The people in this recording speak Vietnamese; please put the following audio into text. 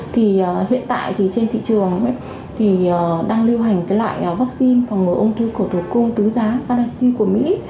thì hiện tại thì trên thị trường thì đang lưu hành cái loại vaccine phòng ngừa ung thư cổ tử cung tứ giá parasi của mỹ